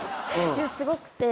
すごくて。